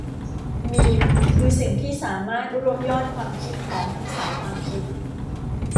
มีมคือสิ่งที่สามารถรวบยอดความคิดของทั้งสายความคิด